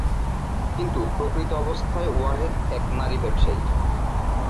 কিন্তু প্রকৃত অবস্থায় ওয়াহেদ এক নারী-ব্যবসায়ী।